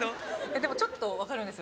でもちょっと分かるんですよ。